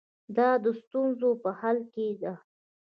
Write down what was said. دا د ستونزو په حل کې ده.